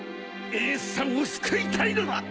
エースさんを救いたいのだ！